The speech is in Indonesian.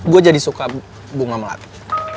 gue jadi suka bunga melati